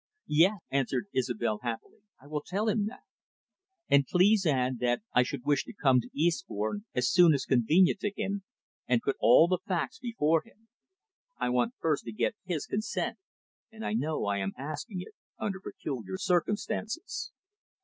"Yes," answered Isobel happily. "I will tell him all that." "And please add that I should wish to come down to Eastbourne, as soon as convenient to him, and put all the facts before him. I want first to get his consent, and I know I am asking it under peculiar circumstances."